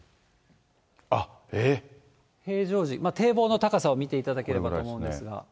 あっ、平常時、堤防の高さを見ていただければと思うんですが。